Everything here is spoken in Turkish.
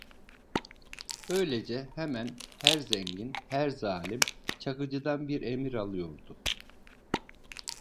Böylece hemen her zengin, her zalim, Çakıcı'dan bir emir alıyordu.